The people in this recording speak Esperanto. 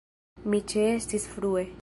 Mi ĉeestis frue.